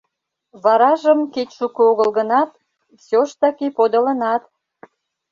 Варажым, кеч шуко огыл гынат, всёж-таки подылынат.